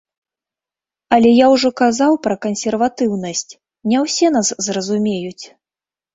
Але я ўжо казаў пра кансерватыўнасць, не ўсе нас зразумеюць.